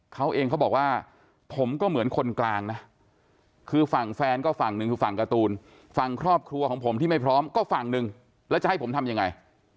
เขาเองเขาบอกว่าผมก็เหมือนคนกลางนะคือฝั่งแฟนก็ฝั่งหนึ่งคือฝั่งการ์ตูนฝั่งครอบครัวของผมที่ไม่พร้อมก็ฝั่งหนึ่งแล้วจะให้ผมทำยังไง